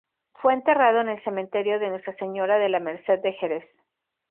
Fue enterrado en el cementerio de Nuestra Señora de La Merced de Jerez.